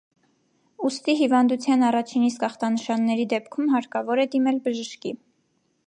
Ուստի հիվանդության առաջին իսկ ախտանշանների դեպքում հարկավոր է դիմել բժշկի։